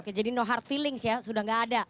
oke jadi no hard feelings ya sudah nggak ada